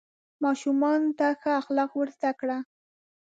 ماشومانو ته اخلاق ور زده کړه.